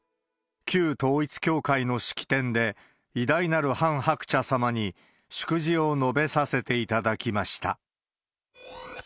旧統一教会の式典で、偉大なるハン・ハクチャ様に祝辞を述べさせていただきました。